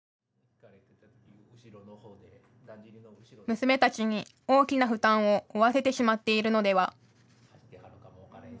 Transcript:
娘たちに大きな負担を負わせてしまっているのでは。